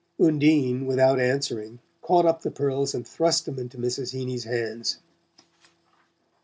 Undine, without answering, caught up the pearls and thrust them into Mrs. Heeny's hands.